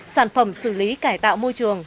sản phẩm xử lý cải tạo môi trường